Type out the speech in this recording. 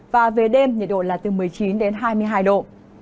và về đêm nhiệt độ là từ một mươi chín đến hai mươi hai độ